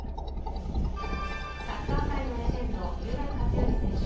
サッカー界のレジェンド三浦知良選手。